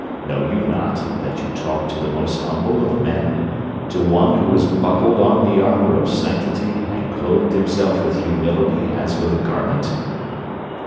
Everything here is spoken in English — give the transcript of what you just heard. Know you not that you talk to the most humble of men, to one who has buckled on the armour of sanctity, and clothed himself with humility as with a garment?